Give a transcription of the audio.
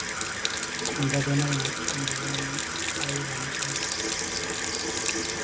እንደገና የነጯን ላም ዓይብ አምጭልኝ፡፡